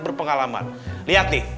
berpengalaman liat nih